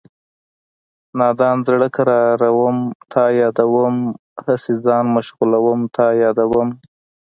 نادان زړه قراروم تا یادوم هسې ځان مشغولوم تا یادوم